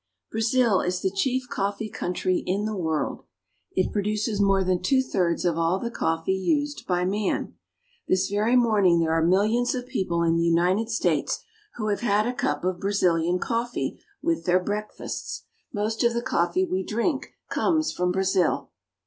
BRAZIL is the chief coffee country in the world. It produces more than two thirds of all the coffee used by man. This very morning there are millions of people in the United States who have had a cup of Brazilian coffee with their breakfasts. Most of the coffee we drink comes from Brazil.